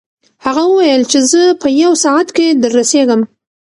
هغه وویل چې زه په یو ساعت کې دررسېږم.